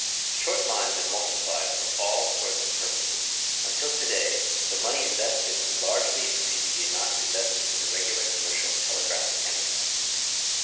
Short lines have multiplied for all sorts of purposes, until to day the money invested in them largely exceeds the amount invested in the regular commercial telegraphic enterprises.